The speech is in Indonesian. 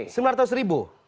sembilan ratus ribu